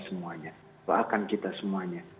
semuanya doakan kita semuanya